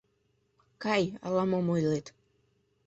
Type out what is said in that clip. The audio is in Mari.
Кай, ала-мом ойлет?